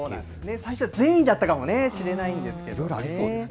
最初は善意だったかもしれないんいろいろありそうですね。